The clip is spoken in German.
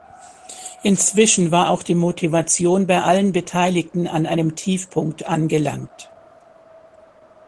Inzwischen war auch die Motivation bei allen Beteiligten an einem Tiefpunkt angelangt.